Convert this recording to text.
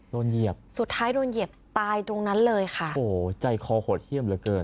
เหยียบสุดท้ายโดนเหยียบตายตรงนั้นเลยค่ะโอ้โหใจคอโหดเยี่ยมเหลือเกิน